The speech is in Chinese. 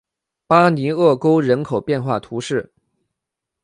巴尼厄沟人口变化图示